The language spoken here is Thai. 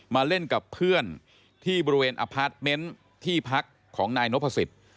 มาเล่นกับเพื่อนที่บริเวณอพาร์ทเมนต์ที่พักของนายนพสิทธิ์